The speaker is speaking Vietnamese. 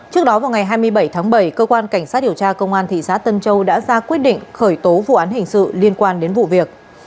trước đó vào ngày hai mươi bảy tháng bảy cơ quan cảnh sát điều tra công an thị xã tân châu đã ra quyết định khởi tố vụ án hình sự liên quan đến vụ việc